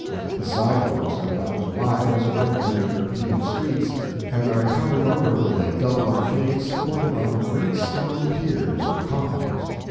The sidewalks are about as wide as ordinary European STREETS, and are covered over with a double arcade supported on great stone piers or columns.